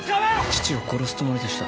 父を殺すつもりでした。